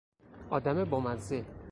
آدم بامزه